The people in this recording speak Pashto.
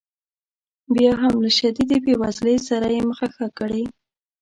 بیا هم له شدیدې بې وزلۍ سره یې مخه ښه کړې.